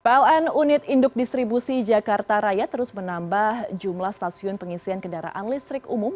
pln unit induk distribusi jakarta raya terus menambah jumlah stasiun pengisian kendaraan listrik umum